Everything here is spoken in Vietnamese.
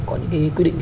có những cái quy định